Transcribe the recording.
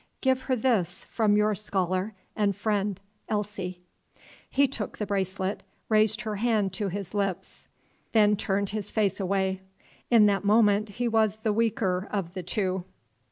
Give her this from your scholar and friend Elsie." He took the bracelet, raised her hand to his lips, then turned his face away; in that moment he was the weaker of the two.